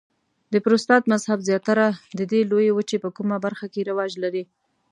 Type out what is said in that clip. د پروتستانت مذهب زیاتره د دې لویې وچې په کومه برخه کې رواج لري؟